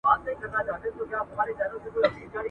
هغه ژمنه وکړه چې بېرته به ژر راشي.